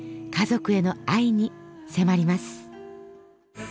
家族への愛に迫ります。